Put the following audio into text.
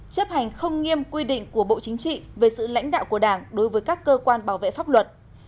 chấp hành không nghiêm quy định của bộ chính trị về sự lãnh đạo của đảng đối với các cơ quan bảo vệ pháp luật